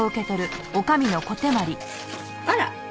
あら！